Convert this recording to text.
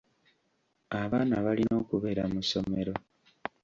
Abaana balina okubeera mu ssomero.